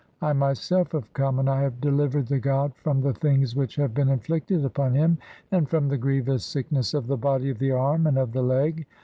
I "myself have come, and I have delivered the god from the things "which have been inflicted upon him, and from the grievous "sickness of the body (8) of the arm, and of the leg.